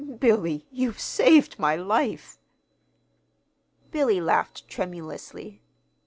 "Billy, you've saved my life!" Billy laughed tremulously.